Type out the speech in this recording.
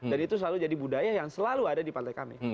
dan itu selalu jadi budaya yang selalu ada di partai kami